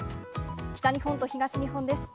北日本と東日本です。